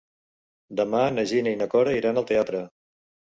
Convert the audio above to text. Demà na Gina i na Cora iran al teatre.